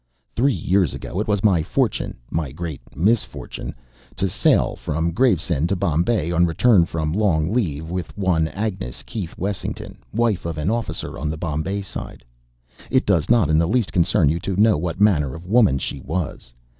Three years ago it was my fortune my great misfortune to sail from Gravesend to Bombay, on return from long leave, with one Agnes Keith Wessington, wife of an officer on the Bombay side. It does not in the least concern you to know what manner of woman she was.